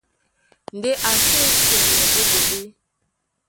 Ndé a sí esɛlɛ ɓó ɓoɓé.